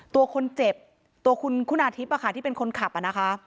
ตัวคนเจ็บตัวคุณคุณาทิพย์ที่เป็นคนขับนะคะ